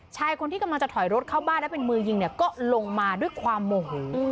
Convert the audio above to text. ชายคนที่กำลังจะถอยรถเข้าบ้านแล้วเป็นมือยิงเนี่ยก็ลงมาด้วยความโมโห